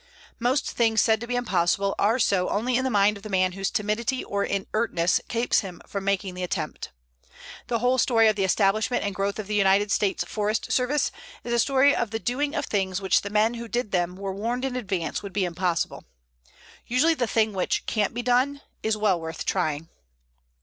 Most things said to be impossible are so only in the mind of the man whose timidity or inertness keeps him from making the attempt. The whole story of the establishment and growth of the United States Forest Service is a story of the doing of things which the men who did them were warned in advance would be impossible. Usually the thing which "can't be done" is well worth trying.